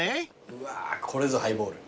うわーこれぞハイボール。